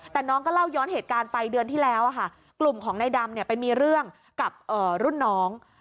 แต่น้องก็เล่าย้อนเหตุการณ์ไปเดือนที่แล้วค่ะกลุ่มของนายดำไปมีเรื่องกับรุ่นน้อง